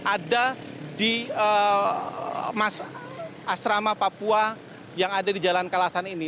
ada di asrama papua yang ada di jalan kalasan ini